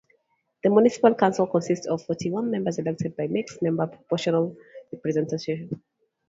The municipal council consists of forty-one members elected by mixed-member proportional representation.